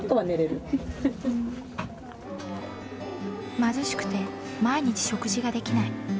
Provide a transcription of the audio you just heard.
貧しくて毎日食事ができない。